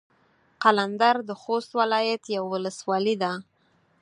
قلندر د خوست ولايت يوه ولسوالي ده.